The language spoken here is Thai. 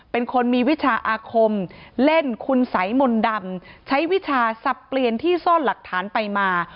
เป็นคนมีวิชาอาคมเล่นคุณสัยมนต์ดำใช้วิชาสับเปลี่ยนที่ซ่อนหลักฐานไปมา